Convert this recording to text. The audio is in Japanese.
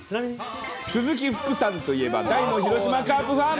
鈴木福さんといえば、大の広島カープファン。